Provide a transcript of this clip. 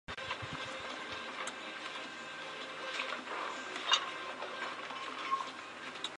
这些措施导致许多积极份子离职。